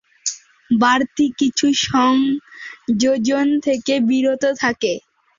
বাড়তি কিছু সংযোজন থেকে বিরত থাকে।